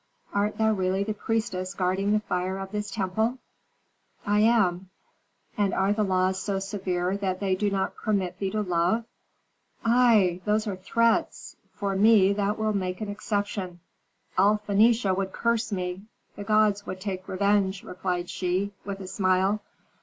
Art thou really the priestess guarding the fire of this temple?" "I am." "And are the laws so severe that they do not permit thee to love? Ei, those are threats! For me thou wilt make exception." "All Phœnicia would curse me; the gods would take vengeance," replied she, with a smile.